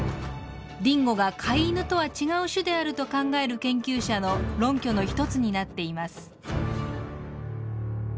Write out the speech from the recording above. ディンゴがカイイヌとは違う種であると考える研究者の論拠の一つになっています。